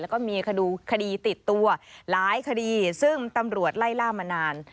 แล้วก็มีคดีติดตัวหลายคดีซึ่งตำรวจไล่ล่ามานาน